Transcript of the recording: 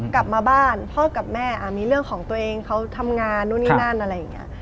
กลับมาบ้านพ่อกับแม่มีเรื่องของตัวเองเขาทำงานนู่นนี่นั่นอะไรอย่างนี้